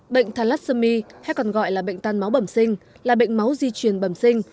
bệnh thalassomy hay còn gọi là bệnh tan máu bẩm sinh là bệnh máu di truyền bẩm sinh